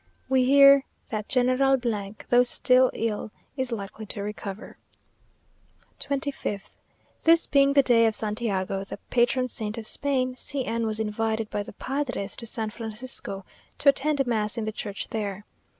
We hear that General , though still ill, is likely to recover. 25th. This being the day of Santiago, the patron saint of Spain, C n was invited by the padres to San Francisco to attend mass in the church there.